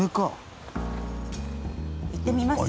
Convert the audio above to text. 行ってみます？